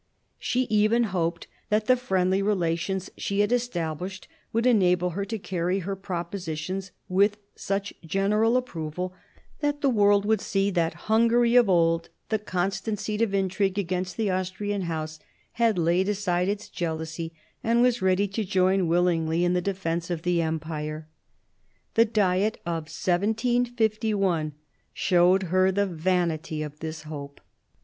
She even hoped that the friendly relations she had established would enable her to carry her propositions with such general approval that the world would see "that Hungary, of old the constant seat of intrigue against the Austrian House, had laid aside its jealousy, and was ready to join willingly in the defence of the Empire. " The Diet of 1751 showed her the vanity of this hope.